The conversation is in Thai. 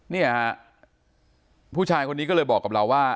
เนี่ยฮะผู้ชายคนนี้ก็เลยบอกกับเราว่า